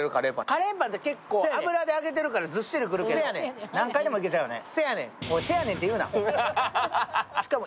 カレーパンって結構、油で揚げてるからずしっとくるけど何回でもいけちゃうよね。